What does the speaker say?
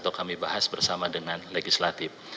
atau kami bahas bersama dengan legislatif